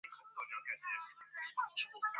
该组织被印度当局视为恐怖组织。